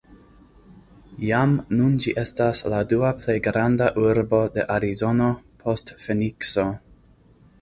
Jam nun ĝi estas la dua plej granda urbo de Arizono, post Fenikso.